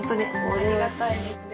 ありがたいですね。